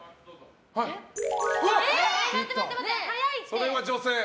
それは女性。